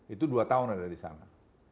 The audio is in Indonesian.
itu dua tahun ada di sana